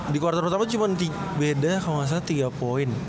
di quarter pertama itu cuma beda kalo gak salah tiga poin